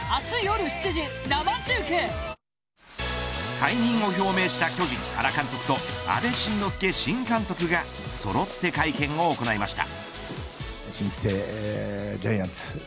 退任を表明した巨人、原監督と阿部慎之助新監督がそろって会見を行いました。